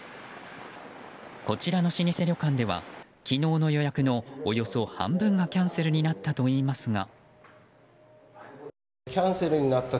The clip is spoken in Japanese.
こちらの老舗旅館では昨日の予約のおよそ半分がキャンセルになったといいますが。